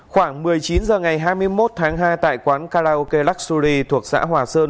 khoảng một mươi chín h ngày hai mươi một tháng hai tại quán karaoke luxury thuộc xã hòa sơn